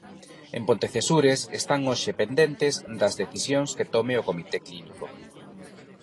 En Pontecesures están hoxe pendentes das decisións que tome o comité clínico.